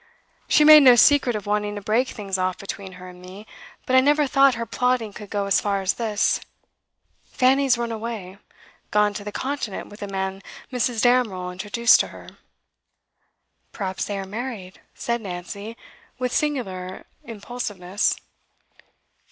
She made no secret of wanting to break things off between her and me, but I never thought her plotting could go as far as this. Fanny has run away gone to the Continent with a man Mrs. Damerel introduced to her.' 'Perhaps they are married,' said Nancy, with singular impulsiveness.